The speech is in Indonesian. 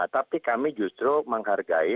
tapi kami justru menghargai